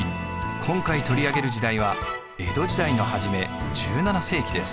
今回取り上げる時代は江戸時代の初め１７世紀です。